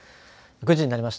９時になりました。